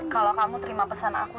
kalau kamu terima pesan aku